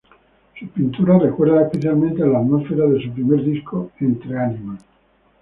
Sus pinturas recuerdan especialmente a la atmósfera de su primer disco "Entre ánimas".